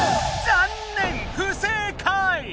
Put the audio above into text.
残念不正解！